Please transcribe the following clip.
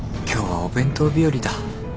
今日はお弁当日和だ。